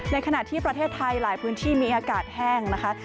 ขณะที่ประเทศไทยหลายพื้นที่มีอากาศแห้งนะคะ